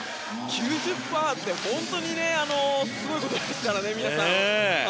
９０％って本当にすごいことですからね、皆さん。